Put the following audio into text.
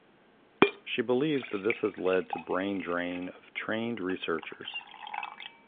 She believes that this has led to brain drain of trained researchers.